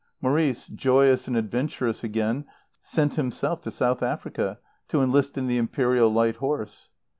Maurice, joyous and adventurous again, sent himself to South Africa, to enlist in the Imperial Light Horse.